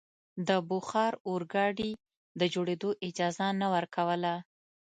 د بخار اورګاډي د جوړېدو اجازه نه ورکوله.